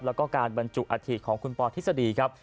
แล้วก็การบรรจุอาธิของคุณปอทฤษฎีครับ